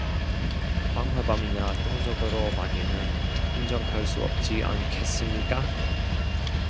방화범이나 도적으로밖에는 인정할 수 없지 않겠습니까?